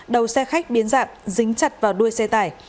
đầu xe khách biến dạng dính chặt vào đuôi xe tải